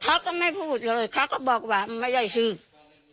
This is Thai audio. เขาก็ไม่พูดเลยเขาก็บอกว่ามันไม่ใช่ชื่อ